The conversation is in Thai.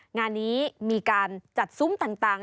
งานนี้มีการจัดซุ้มต่าง